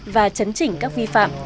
và chấn chỉnh các vi phạm